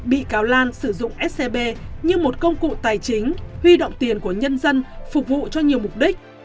bị cáo lan sử dụng scb như một công cụ tài chính huy động tiền của nhân dân phục vụ cho nhiều mục đích